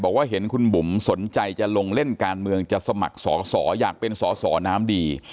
บอกว่าเห็นคุณบุ๋มสนใจจะลงเล่นการเมืองจะสมัครสอสออยากเป็นสอสอน้ำดี